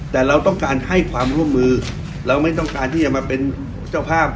แต่เราต้องการให้ความร่วมมือเราไม่ต้องการที่จะมาเป็นเจ้าภาพ